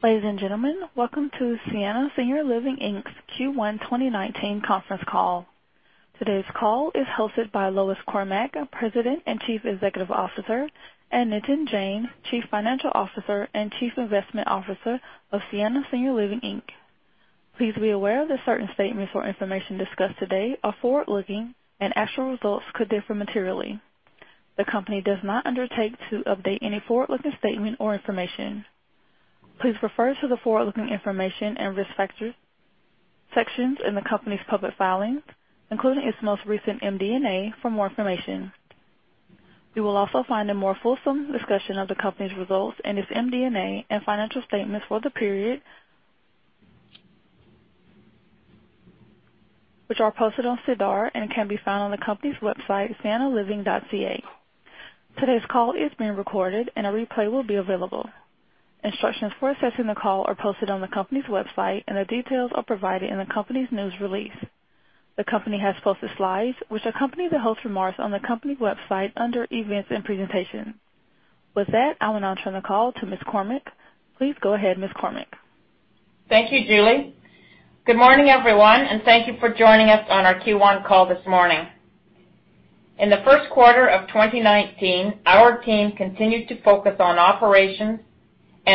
Ladies and gentlemen, welcome to Sienna Senior Living Inc.'s Q1 2019 conference call. Today's call is hosted by Lois Cormack, President and Chief Executive Officer, and Nitin Jain, Chief Financial Officer and Chief Investment Officer of Sienna Senior Living Inc. Please be aware that certain statements or information discussed today are forward-looking, and actual results could differ materially. The company does not undertake to update any forward-looking statement or information. Please refer to the forward-looking information and risk sections in the company's public filings, including its most recent MD&A, for more information. You will also find a more fulsome discussion of the company's results in its MD&A and financial statements for the period, which are posted on SEDAR and can be found on the company's website, siennaliving.ca. Today's call is being recorded, and a replay will be available. Instructions for accessing the call are posted on the company's website, the details are provided in the company's news release. The company has posted slides which accompany the host remarks on the company's website under Events and Presentations. With that, I will now turn the call to Ms. Cormack. Please go ahead, Ms. Cormack. Thank you, Julie. Good morning, everyone, thank you for joining us on our Q1 call this morning. In the first quarter of 2019, our team continued to focus on operations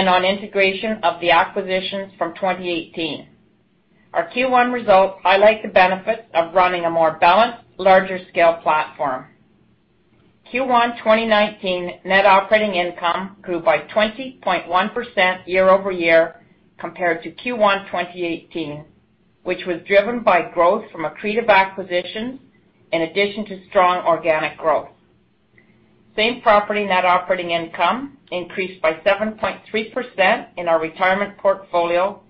on integration of the acquisitions from 2018. Our Q1 results highlight the benefits of running a more balanced, larger-scale platform. Q1 2019 net operating income grew by 20.1% year-over-year compared to Q1 2018, which was driven by growth from accretive acquisitions in addition to strong organic growth. Same-property net operating income increased by 7.3% in our retirement portfolio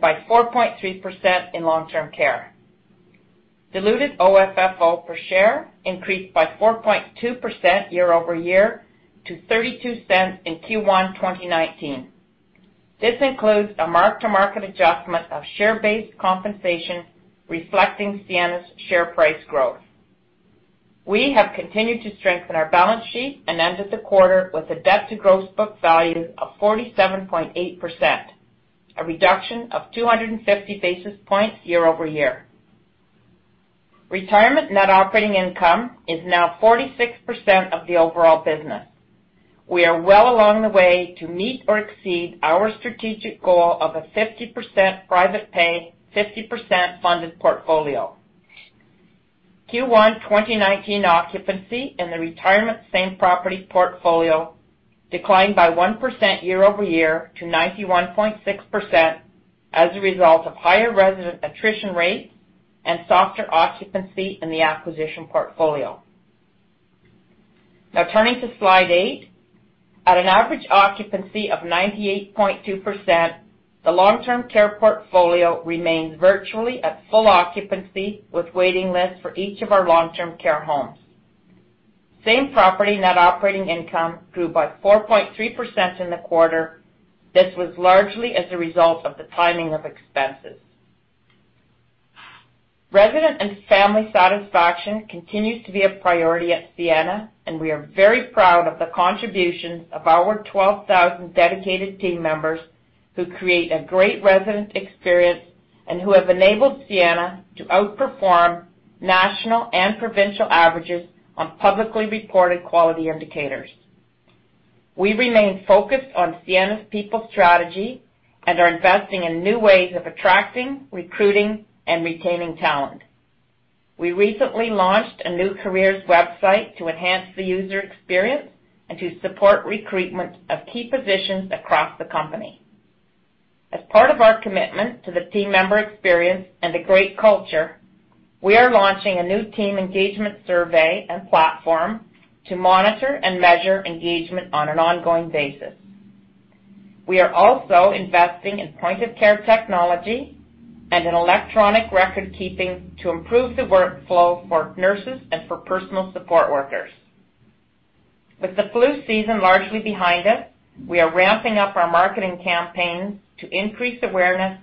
by 4.3% in long-term care. Diluted OFFO per share increased by 4.2% year-over-year to 0.32 in Q1 2019. This includes a mark-to-market adjustment of share-based compensation reflecting Sienna's share price growth. We have continued to strengthen our balance sheet ended the quarter with a debt to gross book value of 47.8%, a reduction of 250 basis points year-over-year. Retirement net operating income is now 46% of the overall business. We are well along the way to meet or exceed our strategic goal of a 50% private pay, 50% funded portfolio. Q1 2019 occupancy in the retirement same-property portfolio declined by 1% year-over-year to 91.6% as a result of higher resident attrition rates and softer occupancy in the acquisition portfolio. Now turning to Slide 8. At an average occupancy of 98.2%, the long-term care portfolio remains virtually at full occupancy with waiting lists for each of our long-term care homes. Same-property net operating income grew by 4.3% in the quarter. This was largely as a result of the timing of expenses. Resident and family satisfaction continues to be a priority at Sienna, and we are very proud of the contributions of our 12,000 dedicated team members who create a great resident experience and who have enabled Sienna to outperform national and provincial averages on publicly reported quality indicators. We remain focused on Sienna's people strategy and are investing in new ways of attracting, recruiting, and retaining talent. We recently launched a new careers website to enhance the user experience and to support recruitment of key positions across the company. As part of our commitment to the team member experience and a great culture, we are launching a new team engagement survey and platform to monitor and measure engagement on an ongoing basis. We are also investing in point-of-care technology and in electronic record-keeping to improve the workflow for nurses and for personal support workers. With the flu season largely behind us, we are ramping up our marketing campaigns to increase awareness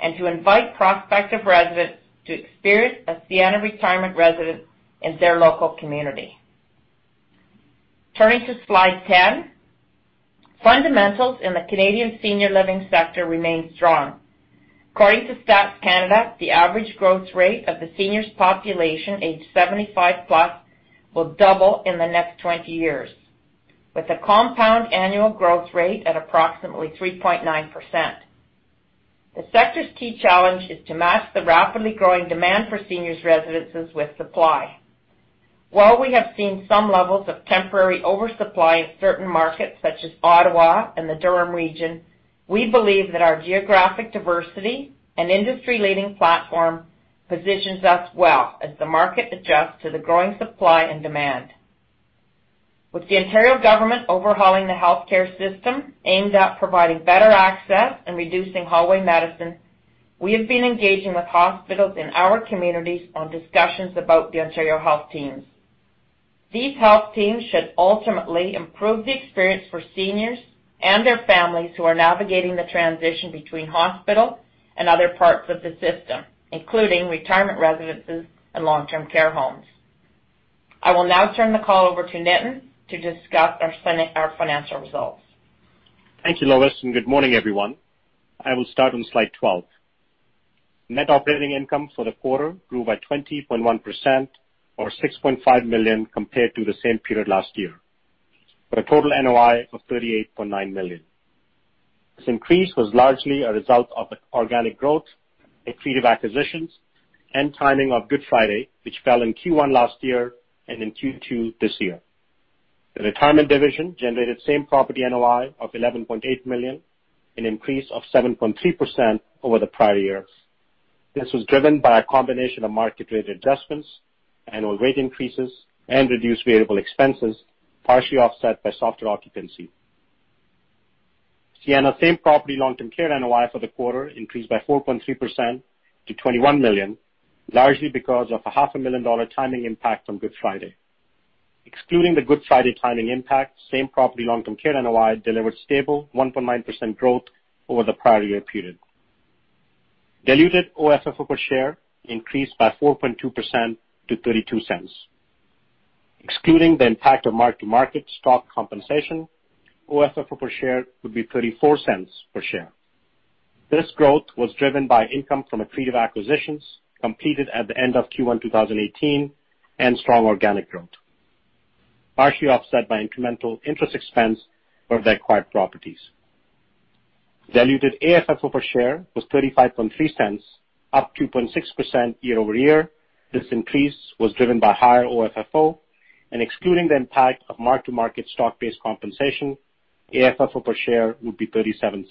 and to invite prospective residents to experience a Sienna retirement residence in their local community. Turning to Slide 10. Fundamentals in the Canadian senior living sector remain strong. According to Statistics Canada, the average growth rate of the seniors population aged 75 plus will double in the next 20 years with a compound annual growth rate at approximately 3.9%. The sector's key challenge is to match the rapidly growing demand for seniors residences with supply. While we have seen some levels of temporary oversupply in certain markets such as Ottawa and the Durham region, we believe that our geographic diversity and industry-leading platform positions us well as the market adjusts to the growing supply and demand. With the Ontario government overhauling the healthcare system aimed at providing better access and reducing hallway medicine, we have been engaging with hospitals in our communities on discussions about the Ontario Health Teams. These health teams should ultimately improve the experience for seniors and their families who are navigating the transition between hospital and other parts of the system, including retirement residences and long-term care homes. I will now turn the call over to Nitin to discuss our financial results. Thank you, Lois, and good morning, everyone. I will start on slide 12. Net operating income for the quarter grew by 20.1%, or 6.5 million compared to the same period last year for a total NOI of 38.9 million. This increase was largely a result of organic growth, accretive acquisitions, and timing of Good Friday, which fell in Q1 last year and in Q2 this year. The retirement division generated same-property NOI of 11.8 million, an increase of 7.3% over the prior year. This was driven by a combination of market rate adjustments, annual rate increases, and reduced variable expenses, partially offset by softer occupancy. Sienna same-property long-term care NOI for the quarter increased by 4.3% to 21 million, largely because of a half a million-dollar timing impact on Good Friday. Excluding the Good Friday timing impact, same-property long-term care NOI delivered stable 1.9% growth over the prior year period. Diluted OFFO per share increased by 4.2% to 0.32. Excluding the impact of mark-to-market stock compensation, OFFO per share would be 0.34 per share. This growth was driven by income from accretive acquisitions completed at the end of Q1 2018 and strong organic growth, partially offset by incremental interest expense for the acquired properties. Diluted AFFO per share was 0.353, up 2.6% year-over-year. This increase was driven by higher OFFO. Excluding the impact of mark-to-market stock-based compensation, AFFO per share would be 0.37.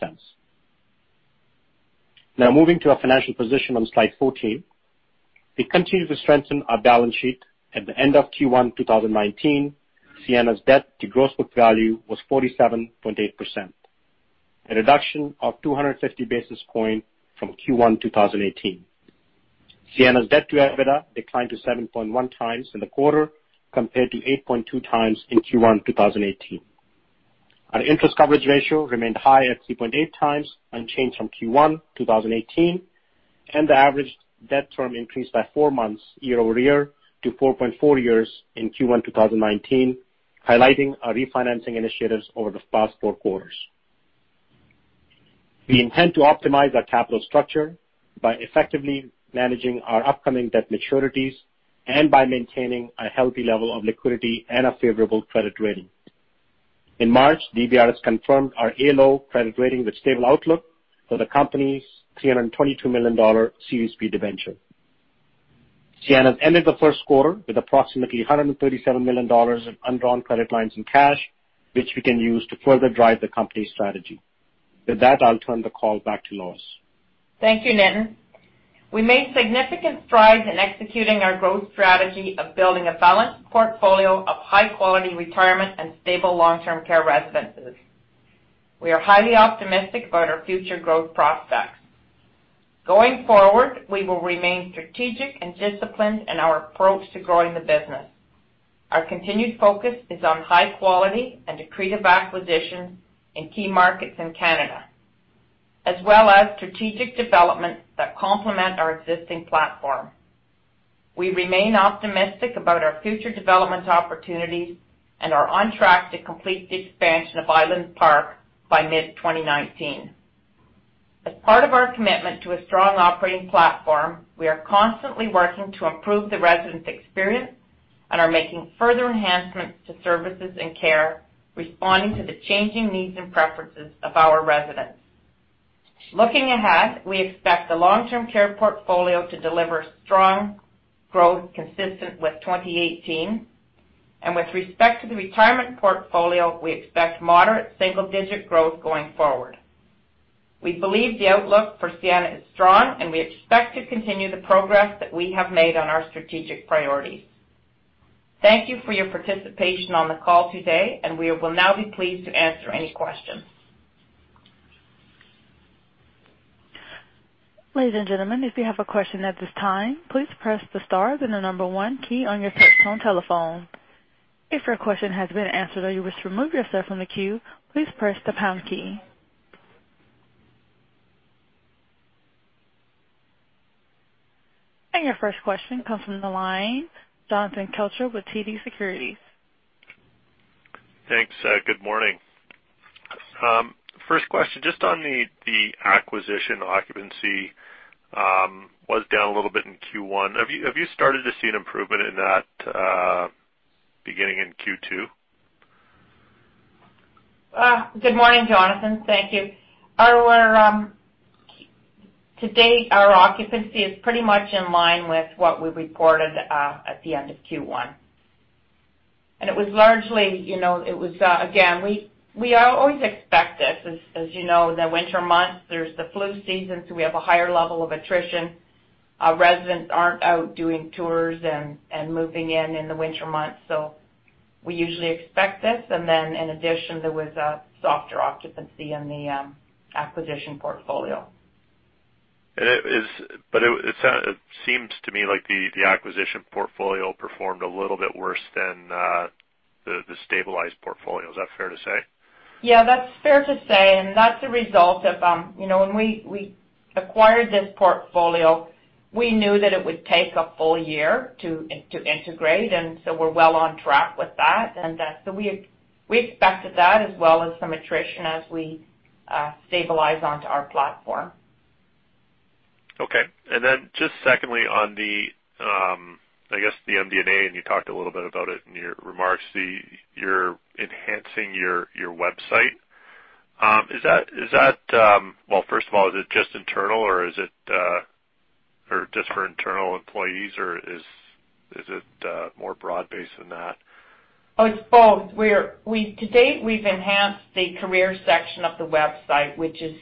Now moving to our financial position on Slide 14. We continue to strengthen our balance sheet. At the end of Q1 2019, Sienna's debt to gross book value was 47.8%, a reduction of 250 basis points from Q1 2018. Sienna's debt to EBITDA declined to 7.1 times in the quarter, compared to 8.2 times in Q1 2018. Our interest coverage ratio remained high at 3.8 times, unchanged from Q1 2018. The average debt term increased by four months year-over-year to 4.4 years in Q1 2019, highlighting our refinancing initiatives over the past four quarters. We intend to optimize our capital structure by effectively managing our upcoming debt maturities and by maintaining a healthy level of liquidity and a favorable credit rating. In March, DBRS confirmed our A low credit rating with stable outlook for the company's 322 million dollar Series B debenture. Sienna ended the first quarter with approximately 137 million dollars of undrawn credit lines in cash, which we can use to further drive the company's strategy. With that, I'll turn the call back to Lois. Thank you, Nitin. We made significant strides in executing our growth strategy of building a balanced portfolio of high-quality retirement and stable long-term care residences. We are highly optimistic about our future growth prospects. Going forward, we will remain strategic and disciplined in our approach to growing the business. Our continued focus is on high quality and accretive acquisitions in key markets in Canada, as well as strategic developments that complement our existing platform. We remain optimistic about our future development opportunities and are on track to complete the expansion of Island Park by mid-2019. As part of our commitment to a strong operating platform, we are constantly working to improve the resident experience and are making further enhancements to services and care, responding to the changing needs and preferences of our residents. Looking ahead, we expect the long-term care portfolio to deliver strong growth consistent with 2018. With respect to the retirement portfolio, we expect moderate single-digit growth going forward. We believe the outlook for Sienna is strong, and we expect to continue the progress that we have made on our strategic priorities. Thank you for your participation on the call today, and we will now be pleased to answer any questions. Ladies and gentlemen, if you have a question at this time, please press the star then the number one key on your touchtone telephone. If your question has been answered or you wish to remove yourself from the queue, please press the pound key. Your first question comes from the line, Jonathan Kelcher with TD Securities. Thanks. Good morning. First question, just on the acquisition occupancy was down a little bit in Q1. Have you started to see an improvement in that beginning in Q2? Good morning, Jonathan. Thank you. To date, our occupancy is pretty much in line with what we reported at the end of Q1. We always expect this. As you know, in the winter months, there's the flu season, so we have a higher level of attrition. Our residents aren't out doing tours and moving in in the winter months, so we usually expect this. In addition, there was a softer occupancy in the acquisition portfolio. It seems to me like the acquisition portfolio performed a little bit worse than the stabilized portfolio. Is that fair to say? That's fair to say. That's a result of when we acquired this portfolio, we knew that it would take a full year to integrate, we're well on track with that. We expected that as well as some attrition as we stabilize onto our platform. Okay. Just secondly on the, I guess, the MD&A, you talked a little bit about it in your remarks, you're enhancing your website. First of all, is it just internal or just for internal employees, or is it more broad-based than that? Oh, it's both. To date, we've enhanced the career section of the website, which is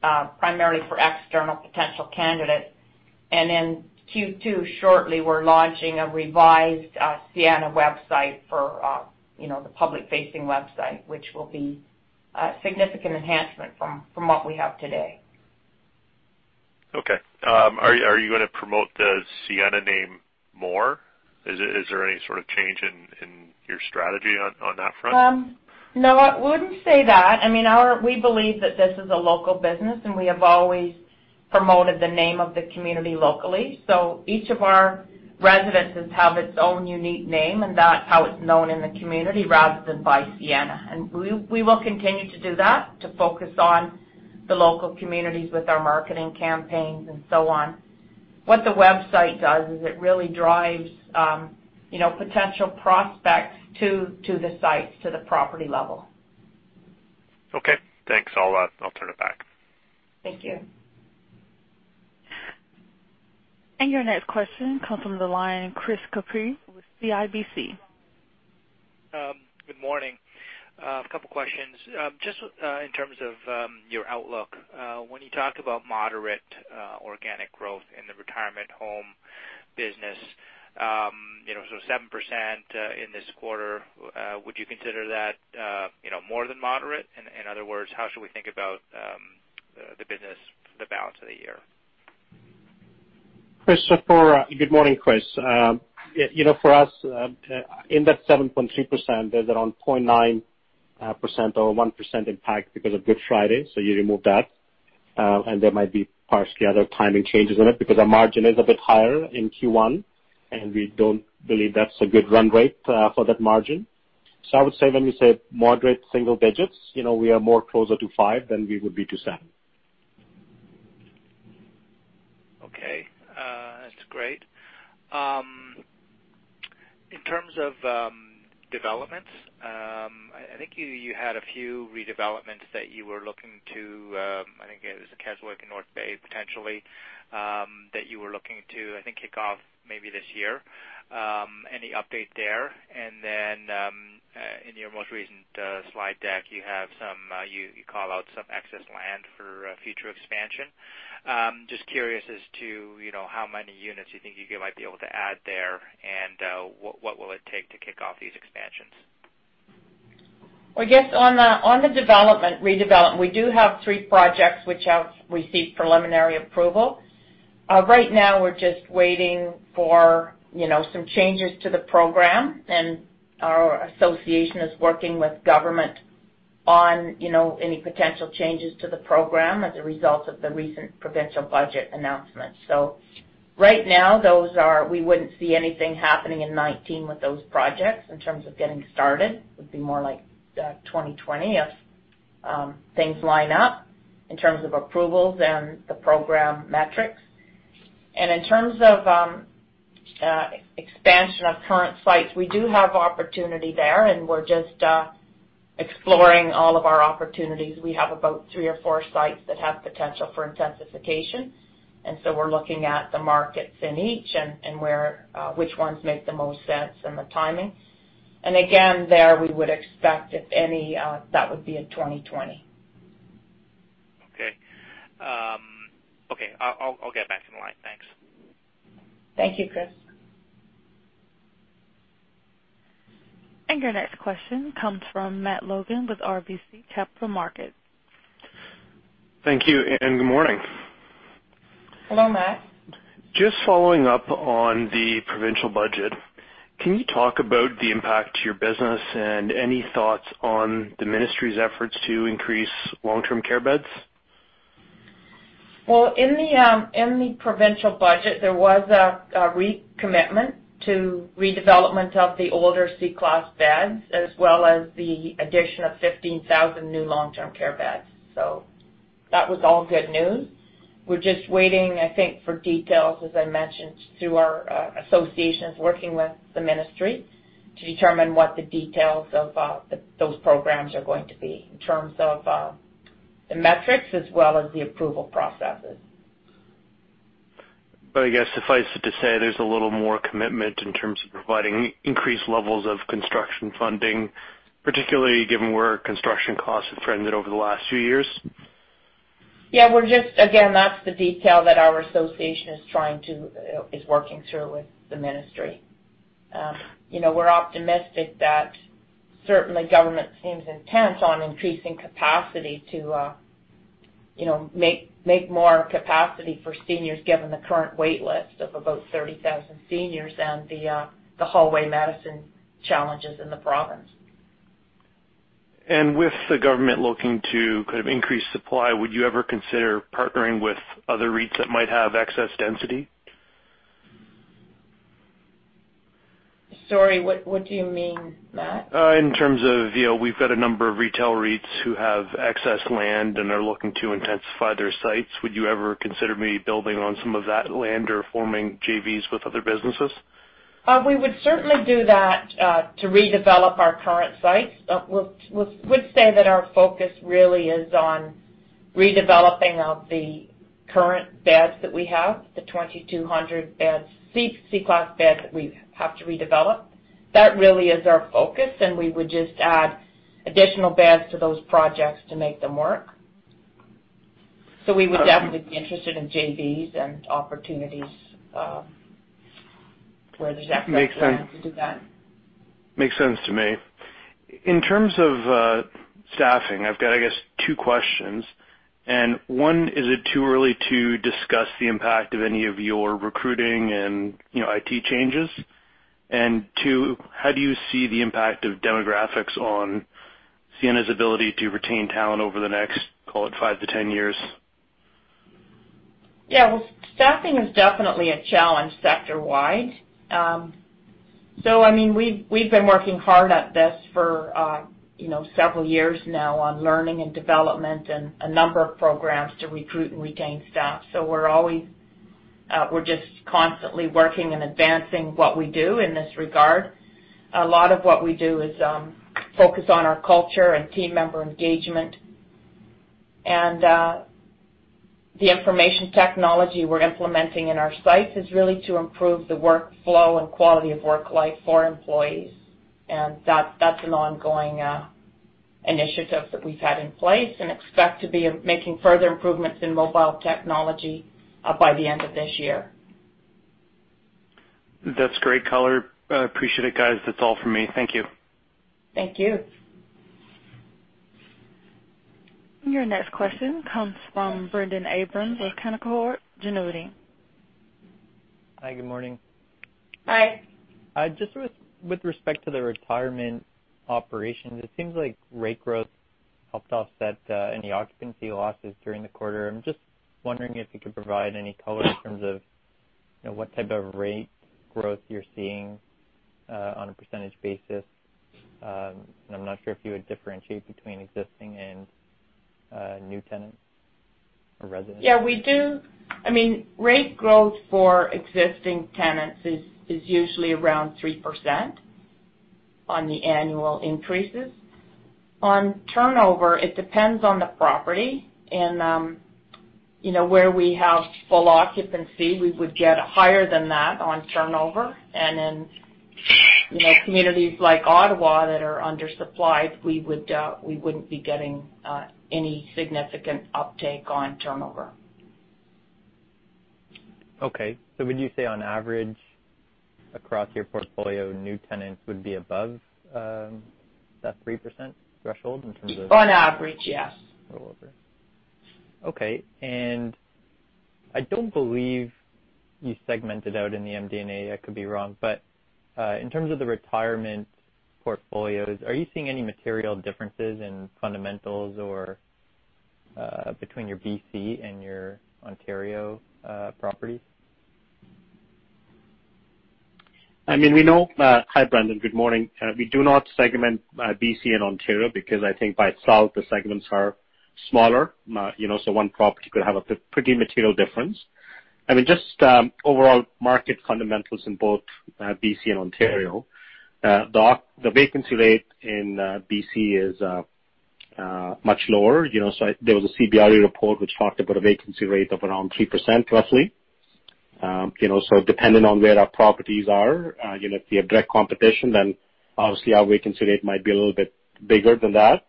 primarily for external potential candidates. In Q2, shortly, we're launching a revised Sienna website for the public-facing website, which will be a significant enhancement from what we have today. Okay. Are you going to promote the Sienna name more? Is there any sort of change in your strategy on that front? No, I wouldn't say that. We believe that this is a local business, and we have always promoted the name of the community locally. Each of our residences have its own unique name, and that's how it's known in the community rather than by Sienna. We will continue to do that, to focus on the local communities with our marketing campaigns and so on. What the website does is it really drives potential prospects to the sites, to the property level. Okay, thanks. I'll turn it back. Thank you. Your next question comes from the line, Chris Couprie with CIBC. Good morning. A couple questions. Just in terms of your outlook, when you talk about moderate organic growth in the retirement home business, so 7% in this quarter, would you consider that more than moderate? In other words, how should we think about the business for the balance of the year? Good morning, Chris. For us, in that 7.3%, there's around 0.9% or 1% impact because of Good Friday, you remove that. There might be partially other timing changes in it because our margin is a bit higher in Q1, and we don't believe that's a good run rate for that margin. I would say, when we say moderate single digits, we are more closer to five than we would be to seven. Okay. That's great. In terms of developments, I think you had a few redevelopments that you were looking to, I think it was the Keswick in North Bay, potentially, that you were looking to, I think, kick off maybe this year. Any update there? In your most recent slide deck, you call out some excess land for future expansion. Just curious as to how many units you think you might be able to add there, and what will it take to kick off these expansions? I guess on the redevelopment, we do have three projects which have received preliminary approval. Right now, we're just waiting for some changes to the program, and our association is working with government on any potential changes to the program as a result of the recent provincial budget announcement. Right now, we wouldn't see anything happening in 2019 with those projects in terms of getting started. It would be more like 2020 if things line up in terms of approvals and the program metrics. In terms of expansion of current sites, we do have opportunity there, and we're just exploring all of our opportunities. We have about three or four sites that have potential for intensification, and so we're looking at the markets in each and which ones make the most sense and the timing. Again, there, we would expect, if any, that would be in 2020. Okay. I'll get back in line. Thanks. Thank you, Chris. Your next question comes from Matt Logan with RBC Capital Markets. Thank you. Good morning. Hello, Matt. Just following up on the provincial budget. Can you talk about the impact to your business and any thoughts on the Ministry's efforts to increase long-term care beds? In the provincial budget, there was a recommitment to redevelopment of the older C-class beds, as well as the addition of 15,000 new long-term care beds. That was all good news. We're just waiting, I think, for details, as I mentioned, through our associations working with the Ministry to determine what the details of those programs are going to be in terms of the metrics as well as the approval processes. I guess suffice it to say, there's a little more commitment in terms of providing increased levels of construction funding, particularly given where construction costs have trended over the last few years? Yeah. Again, that's the detail that our association is working through with the Ministry. We're optimistic that certainly government seems intent on increasing capacity to make more capacity for seniors, given the current wait list of about 30,000 seniors and the hallway medicine challenges in the Province. With the government looking to increase supply, would you ever consider partnering with other REITs that might have excess density? Sorry, what do you mean, Matt? In terms of, we've got a number of retail REITs who have excess land and are looking to intensify their sites. Would you ever consider maybe building on some of that land or forming JVs with other businesses? We would certainly do that to redevelop our current sites. I would say that our focus really is on redeveloping of the current beds that we have, the 2,200 C-class beds that we have to redevelop. That really is our focus, and we would just add additional beds to those projects to make them work. We would definitely be interested in JVs and opportunities, where there's excess land to do that. Makes sense to me. In terms of staffing, I've got, I guess, two questions. One, is it too early to discuss the impact of any of your recruiting and IT changes? Two, how do you see the impact of demographics on Sienna's ability to retain talent over the next, call it five to 10 years? Well, staffing is definitely a challenge sector-wide. We've been working hard at this for several years now on learning and development and a number of programs to recruit and retain staff. We're just constantly working and advancing what we do in this regard. A lot of what we do is focus on our culture and team member engagement. The information technology we're implementing in our sites is really to improve the workflow and quality of work-life for employees. That's an ongoing initiative that we've had in place and expect to be making further improvements in mobile technology by the end of this year. That's great color. I appreciate it, guys. That's all for me. Thank you. Thank you. Your next question comes from Brendon Abrams with Canaccord Genuity. Hi, good morning. Hi. Just with respect to the retirement operations, it seems like rate growth helped offset any occupancy losses during the quarter. I'm just wondering if you could provide any color in terms of what type of rate growth you're seeing on a percentage basis. I'm not sure if you would differentiate between existing and new tenants or residents. Yeah, we do. Rate growth for existing tenants is usually around 3% on the annual increases. On turnover, it depends on the property, and where we have full occupancy, we would get higher than that on turnover. In communities like Ottawa that are undersupplied, we wouldn't be getting any significant uptake on turnover. Okay. Would you say, on average, across your portfolio, new tenants would be above that 3% threshold in terms of- On average, yes rollover. Okay. I don't believe you segmented out in the MD&A, I could be wrong, but in terms of the retirement portfolios, are you seeing any material differences in fundamentals between your B.C. and your Ontario properties? Hi, Brendon. Good morning. We do not segment B.C. and Ontario because I think by itself, the segments are smaller. One property could have a pretty material difference. Just overall market fundamentals in both B.C. and Ontario. The vacancy rate in B.C. is much lower. There was a CBRE report which talked about a vacancy rate of around 3%, roughly. Depending on where our properties are, if we have direct competition, then obviously our vacancy rate might be a little bit bigger than that.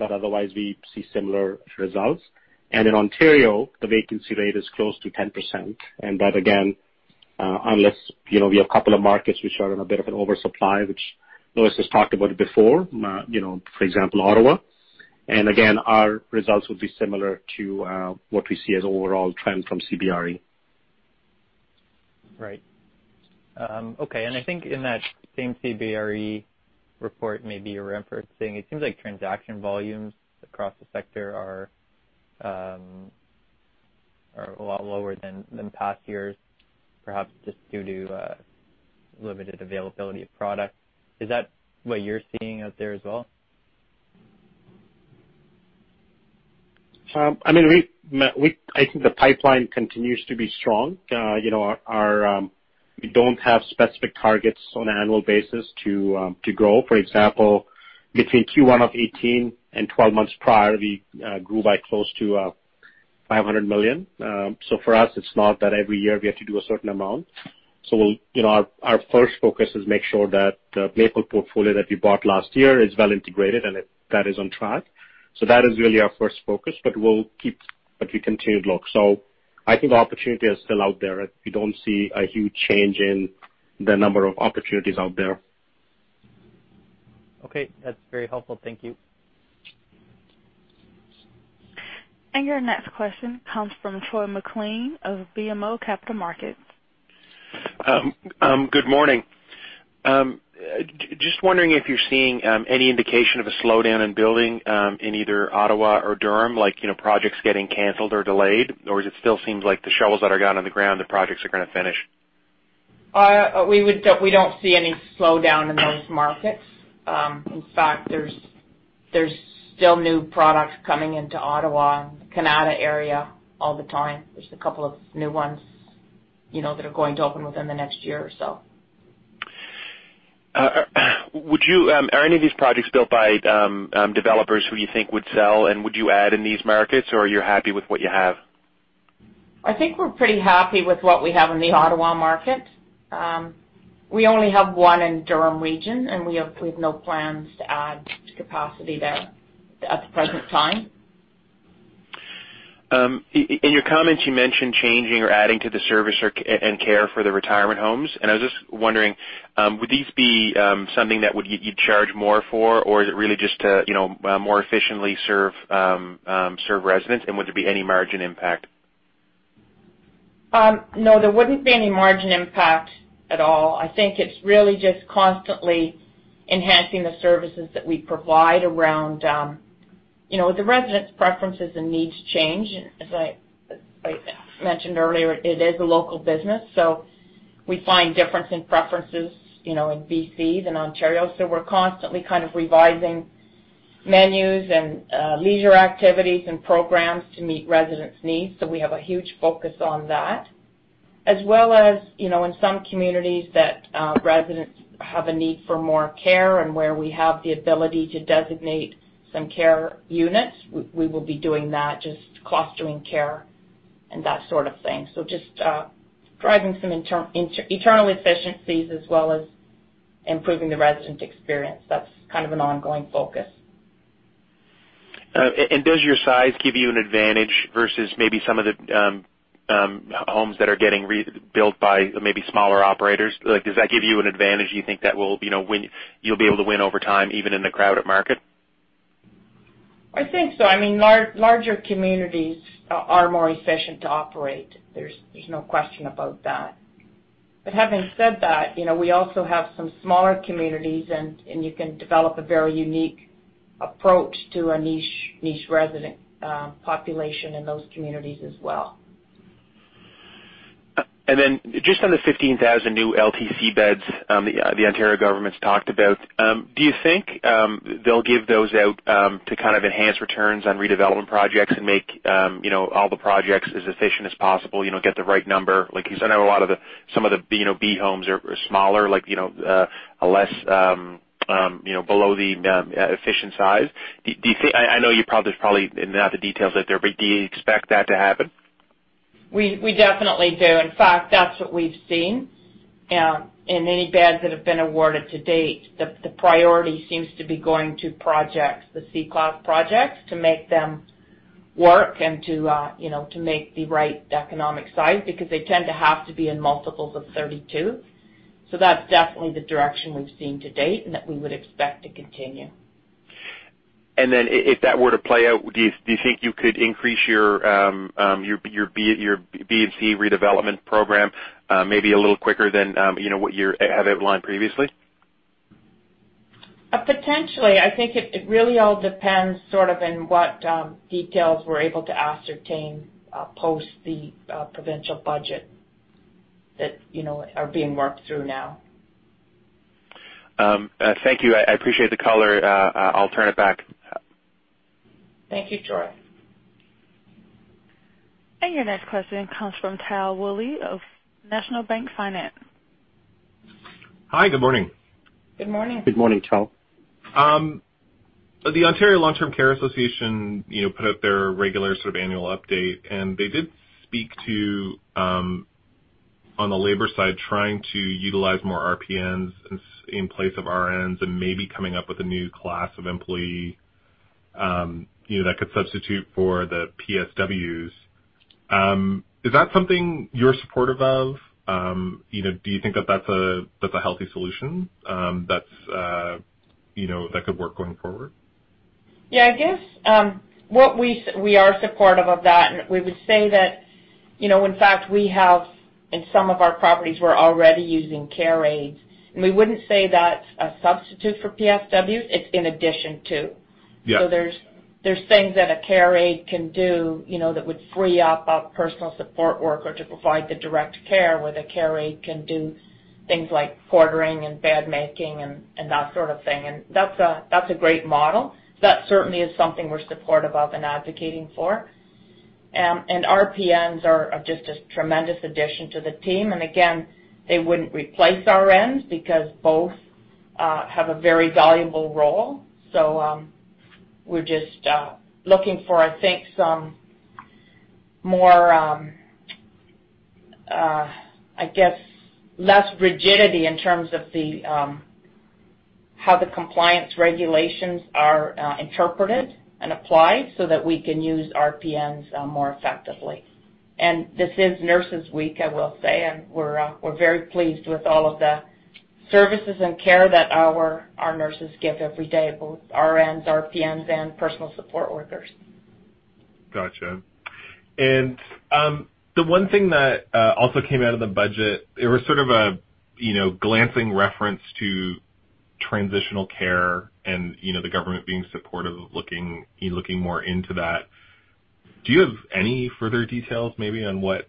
Otherwise, we see similar results. In Ontario, the vacancy rate is close to 10%. That, again, unless we have a couple of markets which are in a bit of an oversupply, which Lois has talked about before, for example, Ottawa. Again, our results would be similar to what we see as overall trend from CBRE. Right. Okay. I think in that same CBRE report maybe you were referencing, it seems like transaction volumes across the sector are a lot lower than past years, perhaps just due to limited availability of product. Is that what you're seeing out there as well? I think the pipeline continues to be strong. We don't have specific targets on an annual basis to grow. For example, between Q1 of 2018 and 12 months prior, we grew by close to 500 million. For us, it's not that every year we have to do a certain amount. Our first focus is make sure that the Maple portfolio that we bought last year is well integrated, and that is on track. That is really our first focus, but we'll keep a continued look. I think opportunity is still out there. We don't see a huge change in the number of opportunities out there. Okay. That's very helpful. Thank you. Your next question comes from Troy MacLean of BMO Capital Markets. Good morning. Just wondering if you're seeing any indication of a slowdown in building, in either Ottawa or Durham, like projects getting canceled or delayed, or is it still seems like the shovels that are down on the ground, the projects are going to finish? We don't see any slowdown in those markets. In fact, there's still new products coming into Ottawa and the Kanata area all the time. There's a couple of new ones that are going to open within the next year or so. Are any of these projects built by developers who you think would sell, and would you add in these markets, or are you happy with what you have? I think we're pretty happy with what we have in the Ottawa market. We only have one in Durham region, we have no plans to add capacity there at the present time. In your comments, you mentioned changing or adding to the service and care for the retirement homes. I was just wondering, would these be something that would you charge more for, or is it really just to more efficiently serve residents, and would there be any margin impact? No, there wouldn't be any margin impact at all. I think it's really just constantly enhancing the services that we provide. The residents' preferences and needs change. As I mentioned earlier, it is a local business, so we find difference in preferences in BC than Ontario. We're constantly kind of revising menus and leisure activities and programs to meet residents' needs. We have a huge focus on that. As well as, in some communities that residents have a need for more care and where we have the ability to designate some care units, we will be doing that, just clustering care and that sort of thing. Just driving some internal efficiencies as well as improving the resident experience. That's kind of an ongoing focus. Does your size give you an advantage versus maybe some of the homes that are getting built by maybe smaller operators? Does that give you an advantage you think that you'll be able to win over time, even in the crowded market? I think so. Larger communities are more efficient to operate. There's no question about that. Having said that, we also have some smaller communities, and you can develop a very unique approach to a niche resident population in those communities as well. Just on the 15,000 new LTC beds the Ontario government's talked about, do you think they'll give those out to kind of enhance returns on redevelopment projects and make all the projects as efficient as possible, get the right number? Like you said, I know some of the B homes are smaller, below the efficient size. I know there's probably not the details out there, do you expect that to happen? We definitely do. In fact, that's what we've seen. In any beds that have been awarded to date, the priority seems to be going to projects, the C class projects, to make them work and to make the right economic size, because they tend to have to be in multiples of 32. That's definitely the direction we've seen to date and that we would expect to continue. If that were to play out, do you think you could increase your B and C redevelopment program maybe a little quicker than what you have outlined previously? Potentially. I think it really all depends sort of in what details we're able to ascertain post the provincial budget that are being worked through now. Thank you. I appreciate the color. I'll turn it back. Thank you, Troy. Your next question comes from Tal Woolley of National Bank Financial. Hi. Good morning. Good morning. Good morning, Tal. The Ontario Long-Term Care Association put out their regular sort of annual update, and they did speak to, on the labor side, trying to utilize more RPNs in place of RNs and maybe coming up with a new class of employee that could substitute for the PSWs. Is that something you're supportive of? Do you think that that's a healthy solution that could work going forward? Yeah, I guess, we are supportive of that. We would say that, in fact, we have, in some of our properties, we're already using care aides. We wouldn't say that's a substitute for PSWs. It's in addition to. Yeah. There's things that a care aide can do that would free up a personal support worker to provide the direct care, where the care aide can do things like quartering and bed making and that sort of thing. That's a great model. That certainly is something we're supportive of and advocating for. RPNs are just a tremendous addition to the team. Again, they wouldn't replace RNs because both have a very valuable role. We're just looking for, I think, I guess, less rigidity in terms of how the compliance regulations are interpreted and applied so that we can use RPNs more effectively. This is Nurses Week, I will say, and we're very pleased with all of the services and care that our nurses give every day, both RNs, RPNs, and personal support workers. Got you. The one thing that also came out of the budget, it was sort of a glancing reference to transitional care and the government being supportive of looking more into that. Do you have any further details maybe on what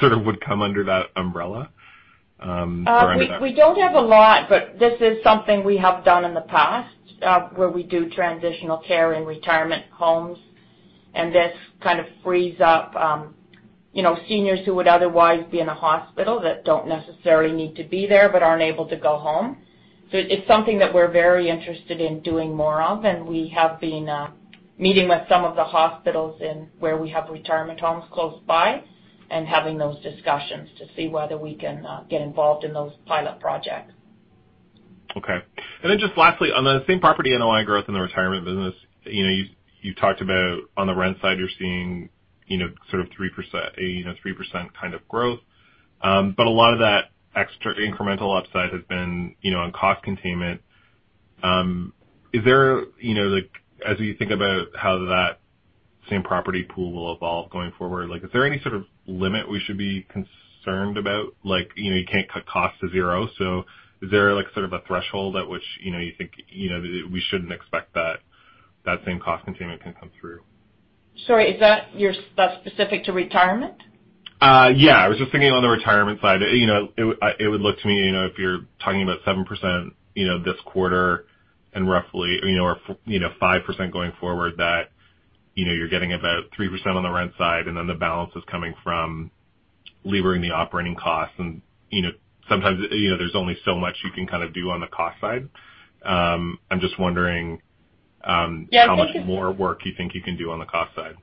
sort of would come under that umbrella for any of that? We don't have a lot, this is something we have done in the past, where we do transitional care in retirement homes, and this kind of frees up seniors who would otherwise be in a hospital that don't necessarily need to be there, but aren't able to go home. It's something that we're very interested in doing more of, we have been meeting with some of the hospitals where we have retirement homes close by, having those discussions to see whether we can get involved in those pilot projects. Just lastly, on the same property NOI growth in the retirement business, you talked about on the rent side you're seeing sort of a 3% kind of growth. A lot of that extra incremental upside has been on cost containment. As you think about how that same property pool will evolve going forward, is there any sort of limit we should be concerned about? You can't cut cost to zero, is there sort of a threshold at which you think we shouldn't expect that same cost containment can come through? Sorry, is that specific to retirement? Yeah. I was just thinking on the retirement side. It would look to me, if you're talking about 7% this quarter and roughly 5% going forward, that you're getting about 3% on the rent side, the balance is coming from levering the operating costs. Sometimes there's only so much you can kind of do on the cost side. I'm just wondering- Yeah, I think it's- -how much more work you think you can do on the cost side.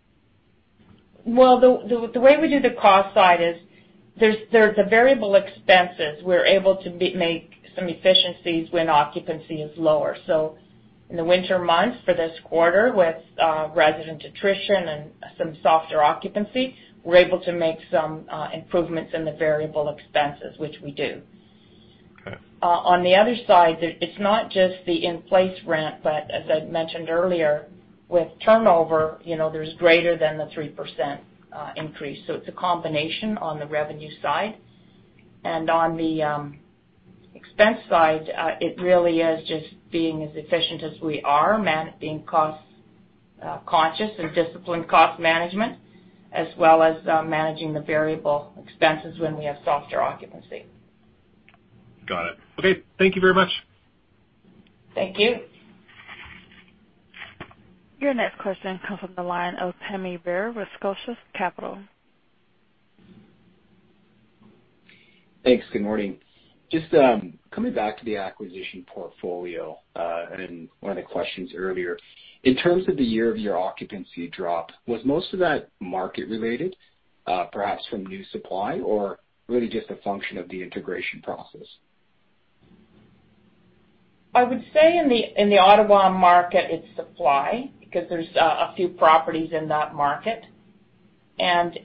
Well, the way we do the cost side is there's the variable expenses. We're able to make some efficiencies when occupancy is lower. In the winter months for this quarter, with resident attrition and some softer occupancy, we're able to make some improvements in the variable expenses, which we do. Okay. On the other side, it's not just the in-place rent, but as I mentioned earlier, with turnover, there's greater than the 3% increase. It's a combination on the revenue side. On the expense side, it really is just being as efficient as we are, being cost-conscious and disciplined cost management, as well as managing the variable expenses when we have softer occupancy. Got it. Okay. Thank you very much. Thank you. Your next question comes from the line of Pammi Bir with Scotia Capital. Thanks. Good morning. Just coming back to the acquisition portfolio, and one of the questions earlier. In terms of the year-over-year occupancy drop, was most of that market related, perhaps from new supply, or really just a function of the integration process? I would say in the Ottawa market, it's supply, because there's a few properties in that market, and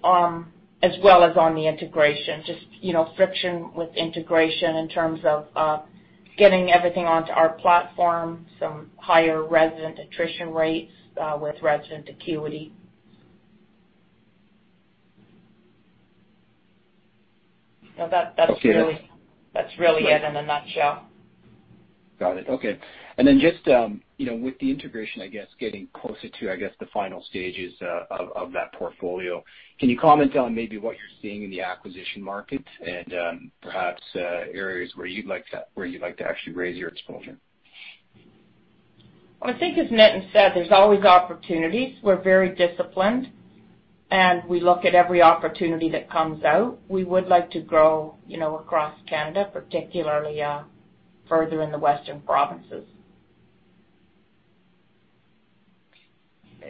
as well as on the integration, just friction with integration in terms of getting everything onto our platform, some higher resident attrition rates with resident acuity. Okay. That's really it in a nutshell. Just with the integration, getting closer to the final stages of that portfolio, can you comment on maybe what you're seeing in the acquisition market and perhaps areas where you'd like to actually raise your exposure? Well, I think as Nitin said, there's always opportunities. We're very disciplined, and we look at every opportunity that comes out. We would like to grow across Canada, particularly further in the western provinces.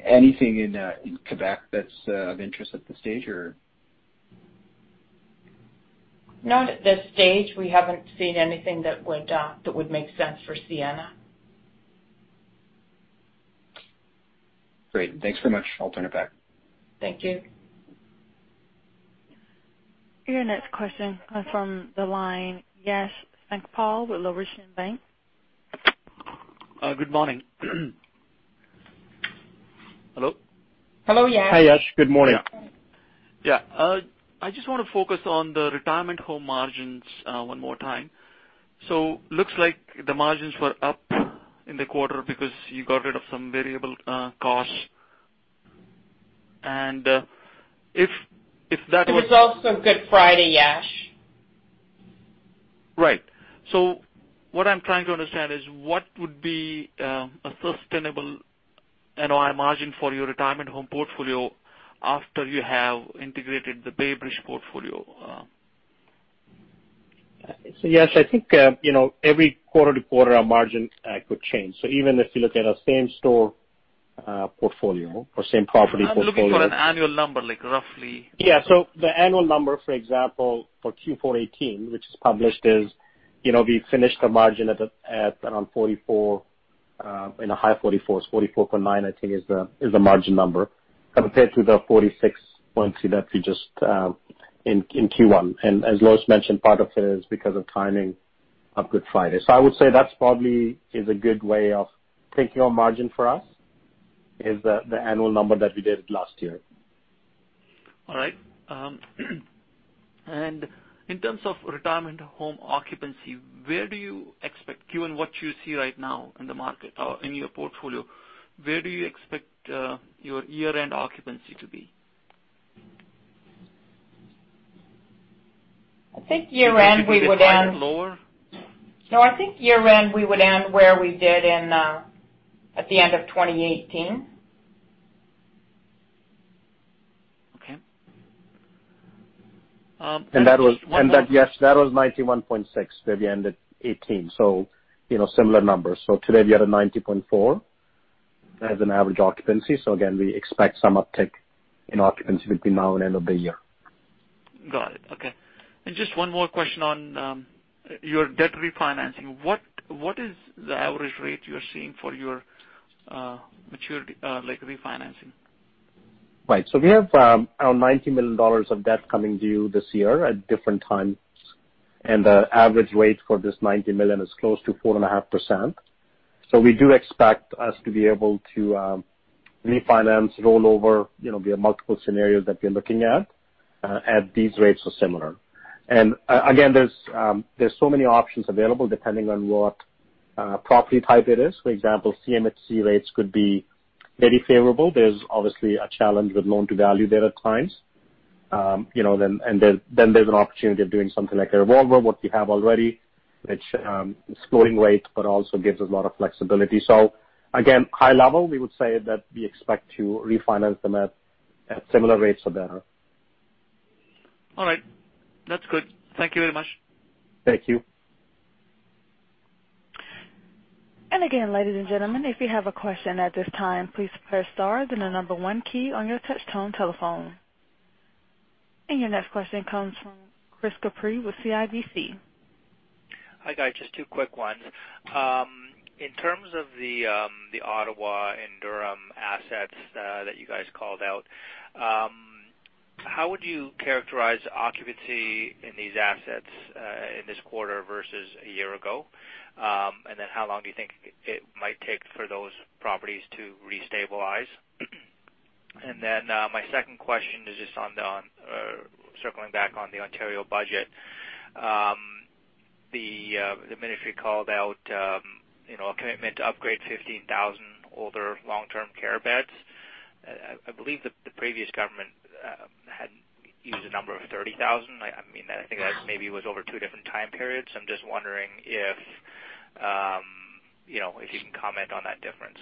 Anything in Quebec that's of interest at this stage, or? Not at this stage. We haven't seen anything that would make sense for Sienna. Great. Thanks so much. I'll turn it back. Thank you. Your next question comes from the line, Yash Sankpal with Laurentian Bank. Good morning. Hello? Hello, Yash. Hi, Yash. Good morning. Yeah. I just want to focus on the retirement home margins one more time. Looks like the margins were up in the quarter because you got rid of some variable costs. It was also Good Friday, Yash. Right. What I'm trying to understand is what would be a sustainable NOI margin for your retirement home portfolio after you have integrated the BayBridge portfolio? Yash, I think every quarter to quarter our margin could change. Even if you look at a same store portfolio or same property portfolio. I'm looking for an annual number, like roughly. Yeah. The annual number, for example, for Q4 2018, which is published, is we finished the margin at around 44%. In the high 44s. 44.9%, I think is the margin number compared to the 46 percentage points that we just In Q1. As Lois mentioned, part of it is because of timing of Good Friday. I would say that's probably is a good way of thinking of margin for us, is the annual number that we did last year. All right. In terms of retirement home occupancy, given what you see right now in your portfolio, where do you expect your year-end occupancy to be? I think year-end, we would end. Do you think it'll be quite lower? No, I think year-end, we would end where we did at the end of 2018. Okay. That was 91.6, where we ended 2018. Similar numbers. Today we are at 90.4 as an average occupancy. Again, we expect some uptick in occupancy between now and end of the year. Got it. Okay. Just one more question on your debt refinancing. What is the average rate you're seeing for your maturity, like refinancing? Right. We have around 90 million dollars of debt coming due this year at different times, the average rate for this 90 million is close to 4.5%. We do expect us to be able to refinance, roll over, be a multiple scenario that we're looking at these rates or similar. Again, there's so many options available depending on what property type it is. For example, CMHC rates could be very favorable. There's obviously a challenge with loan to value there at times. There's an opportunity of doing something like a revolver, what we have already, which is floating rate, but also gives us a lot of flexibility. Again, high level, we would say that we expect to refinance them at similar rates or better. All right. That's good. Thank you very much. Thank you. Again, ladies and gentlemen, if you have a question at this time, please press star, then the number one key on your touchtone telephone. Your next question comes from Chris Couprie with CIBC. Hi, guys. Just two quick ones. In terms of the Ottawa and Durham assets that you guys called out, how would you characterize occupancy in these assets in this quarter versus a year ago? How long do you think it might take for those properties to restabilize? My second question is just circling back on the Ontario budget. The ministry called out a commitment to upgrade 15,000 older long-term care beds. I believe the previous government had used a number of 30,000. I think that maybe was over two different time periods. I'm just wondering if you can comment on that difference.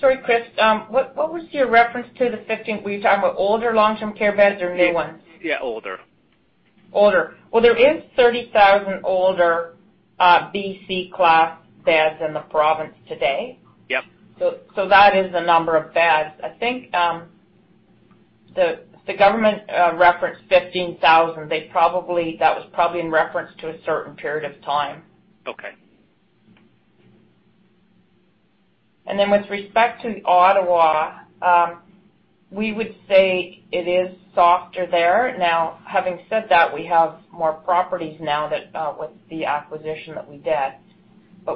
Sorry, Chris. What was your reference to the 15? Were you talking about older long-term care beds or new ones? Yeah, older. Older. Well, there is 30,000 older BC class beds in the province today. Yep. That is the number of beds. I think the government referenced 15,000. That was probably in reference to a certain period of time. Okay. With respect to Ottawa, we would say it is softer there. Having said that, we have more properties now with the acquisition that we did.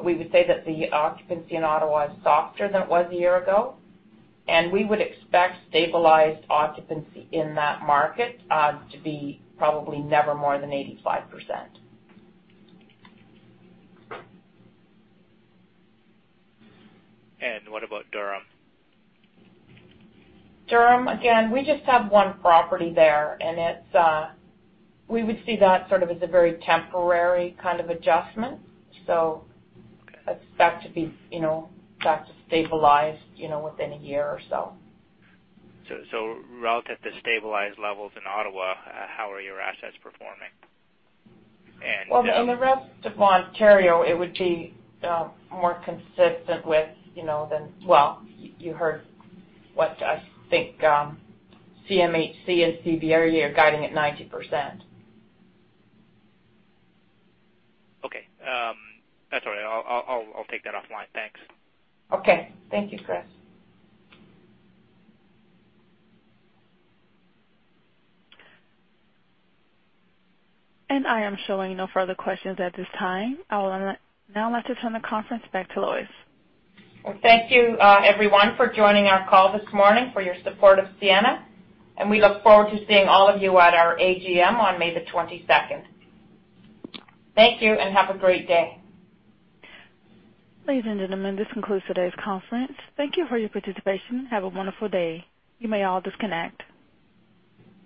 We would say that the occupancy in Ottawa is softer than it was a year ago, and we would expect stabilized occupancy in that market to be probably never more than 85%. What about Durham? Durham, again, we just have one property there, and we would see that sort of as a very temporary kind of adjustment. Expect that to stabilize within a year or so. relative to stabilized levels in Ottawa, how are your assets performing? Well, in the rest of Ontario, it would be more consistent with Well, you heard what I think CMHC and CBRE are guiding at 90%. Okay. That's all right. I'll take that offline. Thanks. Okay. Thank you, Chris. I am showing no further questions at this time. I will now like to turn the conference back to Lois. Well, thank you, everyone, for joining our call this morning, for your support of Sienna, and we look forward to seeing all of you at our AGM on May the 22nd. Thank you, and have a great day. Ladies and gentlemen, this concludes today's conference. Thank you for your participation. Have a wonderful day. You may all disconnect.